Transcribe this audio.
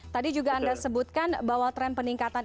tadi juga anda sebutkan bahwa tren peningkatan